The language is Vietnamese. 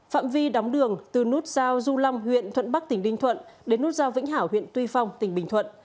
phạm vi đóng đường từ nút giao du long huyện thuận bắc tỉnh đinh thuận đến nút giao vĩnh hảo huyện tuy phong tỉnh bình thuận